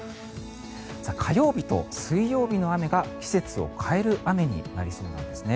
火曜日と水曜日の雨が季節を変える雨になりそうなんですね。